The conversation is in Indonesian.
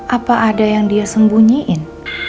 apa ada yang dia sembunyiin